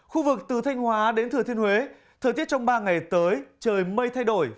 khu vực từ thanh hóa đến thừa thiên huế thời tiết trong ba ngày tới trời mây thay đổi